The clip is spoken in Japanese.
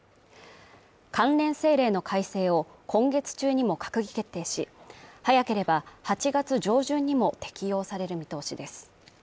関連法令の改正を今月中にも閣議決定し、早ければ８月上旬にも適用される見通しです。